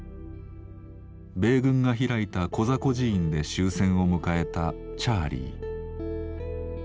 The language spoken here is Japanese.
米軍が開いたコザ孤児院で終戦を迎えたチャーリー。